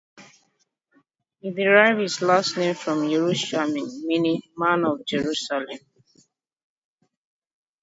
He derived his last name from Yerushalmi, meaning "man of Jerusalem".